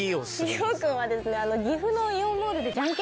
博君はですね。